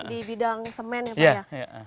di bidang semen ya pak ya